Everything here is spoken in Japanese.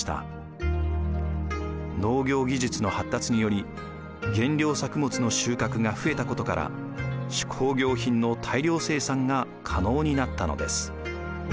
農業技術の発達により原料作物の収穫が増えたことから手工業品の大量生産が可能になったのです。